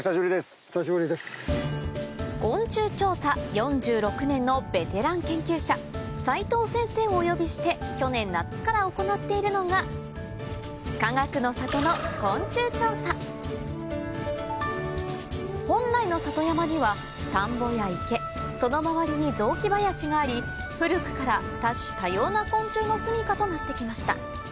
４６年のベテラン研究者斉藤先生をお呼びして去年夏から行っているのがかがくの里の本来の里山には田んぼや池その周りに雑木林があり古くからとなって来ました